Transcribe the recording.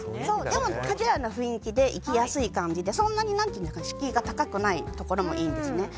でもカジュアルな雰囲気で行きやすい感じでそんなに敷居が高くないところもいいんですね。